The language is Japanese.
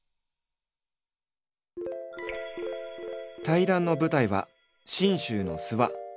対談の舞台は信州の諏訪。